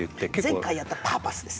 前回やったパーパスです。